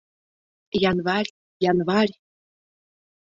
Январь, январь!